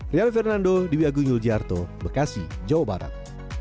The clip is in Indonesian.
riabe fernando diwi agung yuljiarto bekasi jawa barat